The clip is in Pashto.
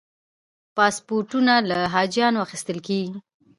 پاسپورتونه له حاجیانو اخیستل کېږي.